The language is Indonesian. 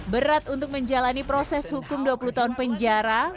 berat untuk menjalani proses hukum dua puluh tahun penjara